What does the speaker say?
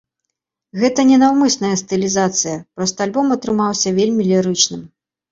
Гэта не наўмысная стылізацыя, проста альбом атрымаўся вельмі лірычным.